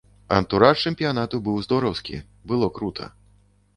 Антураж чэмпіянату быў здораўскі, было крута.